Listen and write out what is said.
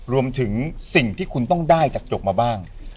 รวมถึงสิ่งที่คุณต้องได้จากจกมาบ้าง